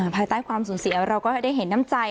ภายใต้ความสูญเสียเราก็ได้เห็นน้ำใจ